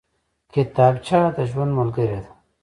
کتابچه د ژوند ملګرې ده